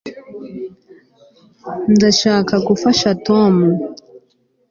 ndashaka gufasha tom